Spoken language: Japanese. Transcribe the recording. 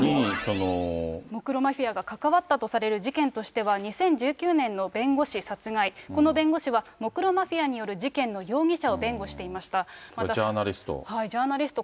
モクロ・マフィアが関わったとされる事件としては、２０１９年の弁護士殺害、この弁護士はモクロ・マフィアによる事件の容疑者を弁護していまジャーナリスト。